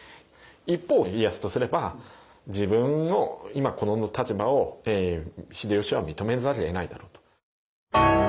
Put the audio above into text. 一方家康とすれば自分の今この立場を秀吉は認めざるを得ないだろうと。